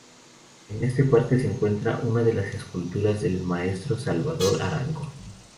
En este parque se encuentra una de las esculturas del maestro Salvador Arango.